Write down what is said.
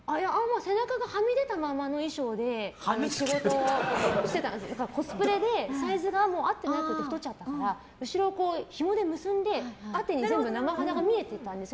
背中がはみ出たままの衣装でコスプレでサイズが合ってなくて太っちゃったから後ろをひもで結んで生肌が全部見えてたんです。